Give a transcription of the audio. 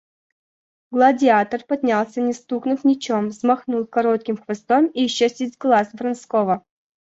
Гладиатор поднялся, не стукнув ничем, взмахнул коротким хвостом и исчез из глаз Вронского.